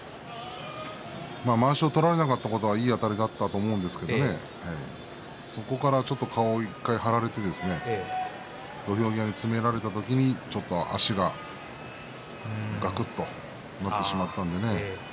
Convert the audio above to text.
まわしを取られなかったことはいいあたりだったと思いますけれどもそこから顔を１回張られて土俵際に詰められた時に足が、がくっとなってしまいました。